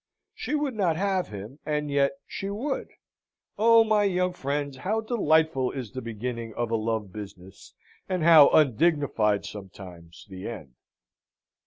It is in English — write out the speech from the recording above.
She would not have him, and yet she would. Oh, my young friends, how delightful is the beginning of a love business, and how undignified, sometimes, the end!